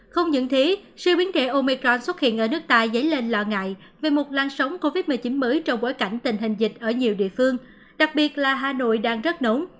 không những thế siêu biến thể omicron xuất hiện ở nước ta dấy lên lo ngại về một lan sóng covid một mươi chín mới trong bối cảnh tình hình dịch ở nhiều địa phương đặc biệt là hà nội đang rất nóng